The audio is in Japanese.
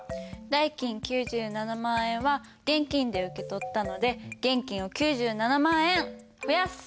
代金９７万円は現金で受け取ったので現金を９７万円増やす。